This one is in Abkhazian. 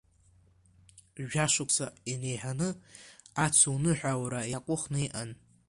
Жәашықәса инеиҳаны Ацуныҳәа аура иаҟәыхны иҟан.